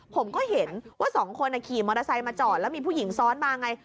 ผมก็เห็นว่าสองคนขี่มอเตอร์ไซค์มาจอดแล้วมีผู้หญิงซ้อนมาไง